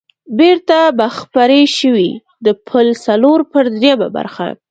بېرته به خپرې شوې، د پل څلور پر درېمه برخه.